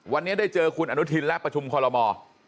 วันนี้ได้เจอคุณอนุทินและประชุมคอลโลมอร์